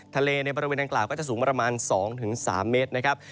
ในบริเวณดังกล่าวก็จะสูงประมาณ๒๓เมตรนะครับ